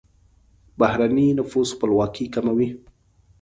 بهرنی نفوذ خپلواکي کموي.